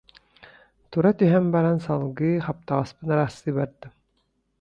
Тура түһэн баран салгыы хаптаҕаспын ыраастыы бардым